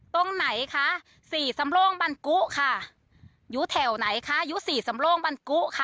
ตรงไหนคะศรีสำโรงบ้านกุค่ะอยู่แถวไหนคะอยู่ศรีสำโรงบ้านกุค่ะ